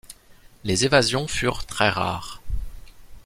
Les évasions furent très rares.